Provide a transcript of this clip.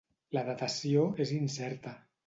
La datació és incerta.